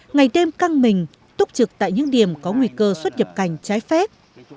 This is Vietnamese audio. ngày đêm căng mình túc trực tại những điểm có nguy hiểm